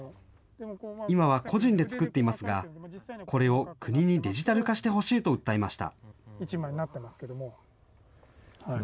今は個人で作っていますが、これを国にデジタル化してほしいと訴えました。